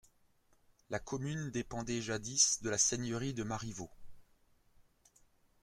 La commune dépendait jadis de la seigneurie de Marivaux.